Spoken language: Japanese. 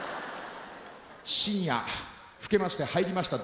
深夜更けまして入りました泥棒。